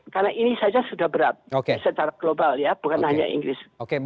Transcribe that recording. karena ini saja sudah berat secara global ya bukan hanya inggris